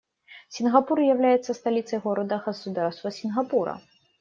Сингапур является столицей города-государства Сингапура.